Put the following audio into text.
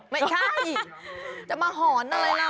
ไม่ใช่จะมาหอนอะไรล่ะ